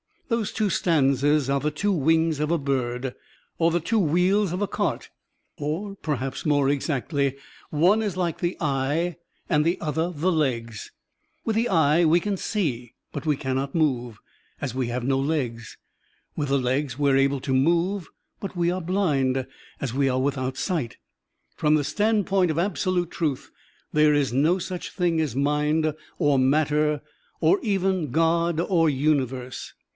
Those two stanzas are the two wings of a bird, or the two wheels of a cart, or, perhaps more exactly, one is like the eye and the other the legs. With the eye we can see, but we cannot move, as we have no legs; with the legs we are able to move, but we are blind, as we are without sight. From the standpoint of absolute truth, there is no such thing as mind or matter or even God or universe.